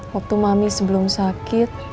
waktu mami sebelum sakit